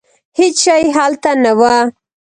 هېڅ شی هلته نه و.